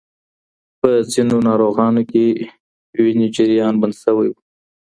په ځینو ناروغانو کې وینې جریان بند شوی و.